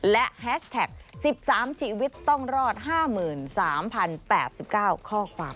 และแฮชแท็ก๑๓ชีวิตต้องรอด๕๓๐๘๙ข้อความ